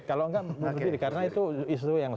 kalau enggak bunuh diri karena itu isu yang